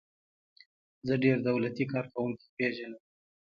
زه ډیر دولتی کارکوونکي پیژنم.